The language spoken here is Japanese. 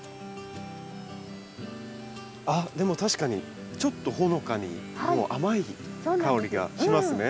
あっでも確かにちょっとほのかに甘い香りがしますね。